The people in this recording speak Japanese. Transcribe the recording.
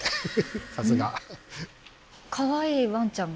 さすが。